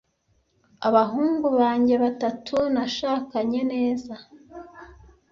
abahungu banjye batatu nashakanye neza,